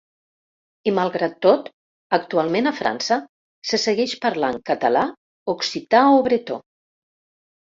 I malgrat tot, actualment a França se segueix parlant català, occità o bretó.